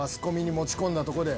持ち込んだとこで